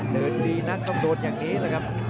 เดินดีนักกำโดดอย่างนี้แหละครับ